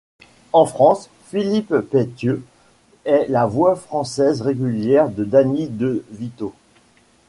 En France, Philippe Peythieu est la voix française régulière de Danny DeVito.